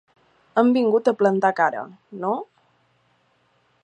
Hem vingut a plantar cara, ¿no?